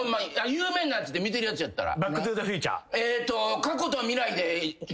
有名なやつで見てるやつやったら。